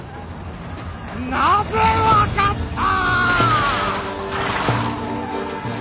なぜ分かった！